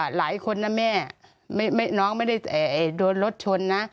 หลายคนนะแม่น้องไม่ได้โดนรถชนนะ